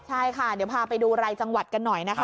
ใช่ค่ะเดี๋ยวพาไปดูรายจังหวัดกันหน่อยนะคะ